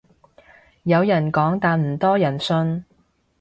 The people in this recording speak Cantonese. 有人講但唔多人信